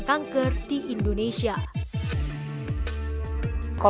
kanker di indonesia dan juga di negara lainnya terima kasih